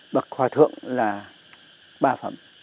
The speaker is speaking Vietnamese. bậc hòa thượng là ba phẩm